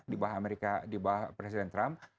di bawah amerika di bawah presiden trump